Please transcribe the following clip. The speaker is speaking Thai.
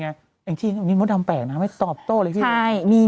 แอ่งจี้นี่มดดำแปลกนะไม่ตอบโต๊ะเลยถ้าเหรอ